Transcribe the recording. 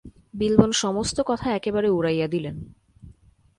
বিল্বন সমস্ত কথা একেবারে উড়াইয়া দিলেন।